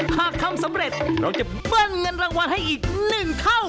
หากทำสำเร็จเราจะเบิ้ลเงินรางวัลให้อีก๑เท่า